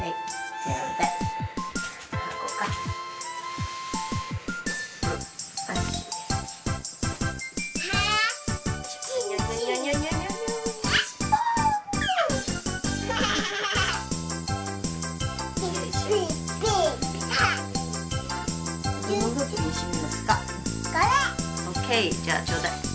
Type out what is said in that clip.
じゃあちょうだい。